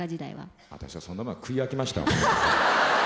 私はそんなもんは食い飽きました。